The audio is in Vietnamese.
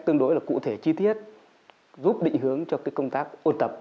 tương đối là cụ thể chi tiết giúp định hướng cho công tác ôn tập